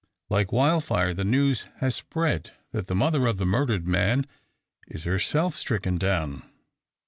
Like wildfire the news has spread that the mother of the murdered man is herself stricken down.